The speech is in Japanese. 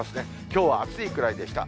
きょうは暑いくらいでした。